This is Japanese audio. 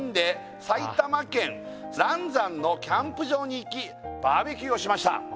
「埼玉県嵐山のキャンプ場に行きバーベキューをしました」